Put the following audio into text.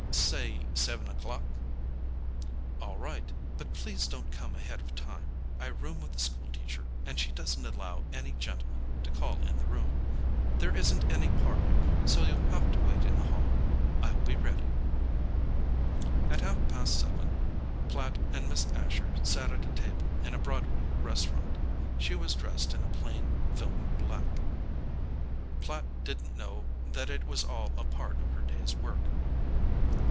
"Say seven o'clock." "All right, but please don't come ahead of time. I room with a school teacher, and she doesn't allow any gentlemen to call in the room. There isn't any parlor, so you'll have to wait in the hall. I'll be ready." At half past seven Platt and Miss Asher sat at a table in a Broadway restaurant. She was dressed in a plain, filmy black. Platt didn't know that it was all a part of her day's work.